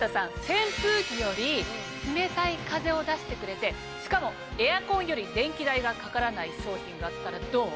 扇風機より冷たい風を出してくれてしかもエアコンより電気代がかからない商品があったらどう？